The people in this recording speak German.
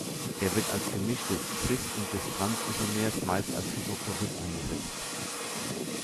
Er wird als Gemisch des "cis"- und des "trans"-Isomers meist als Hydrochlorid eingesetzt.